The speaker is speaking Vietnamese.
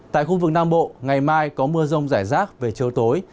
tại khu vực nam bộ ngày mai có mưa rông rải rác về chiều tối